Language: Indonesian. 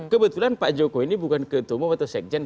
kebetulan pak jokowi ini bukan ketua umum atau sekjen